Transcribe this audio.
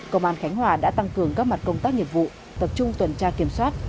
công an khánh hòa đã tăng cường các mặt công tác nghiệp vụ tập trung tuần tra kiểm soát